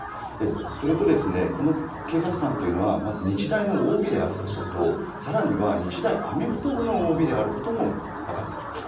それと、この警察官というのは日大のＯＢであるということと更には、日大アメフト部のＯＢであることも分かってきました。